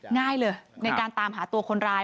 ง่ายเลยในการตามหาตัวคนร้าย